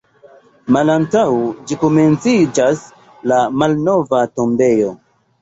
Malantaŭ ĝi komenciĝas la Malnova tombejo.